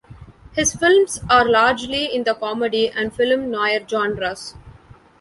His films are largely in the comedy and film noir genres.